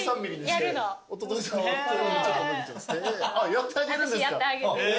やってあげるんですか。